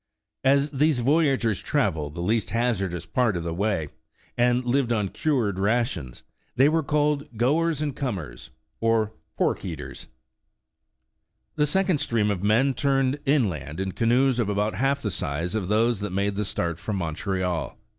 As these voyageurs trav eled the least hazardous part of the way, and lived on 101 The Original John Jacob Astor cured rations, they were called ''Goers and Comers*' or '' Pork Eaters. " The second stream of men turned inland in canoes of about half the size of those that made the start from Montreal.